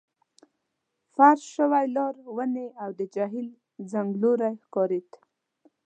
فرش شوي لار، ونې، او د جهیل څنګلوری ښکارېد.